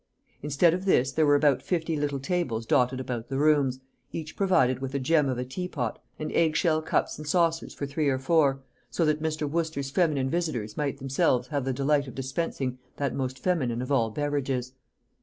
Instead of this, there were about fifty little tables dotted about the rooms, each provided with a gem of a teapot and egg shell cups and saucers for three or four, so that Mr. Wooster's feminine visitors might themselves have the delight of dispensing that most feminine of all beverages.